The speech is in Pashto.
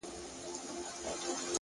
ذهن د تجربې له لارې وده کوي،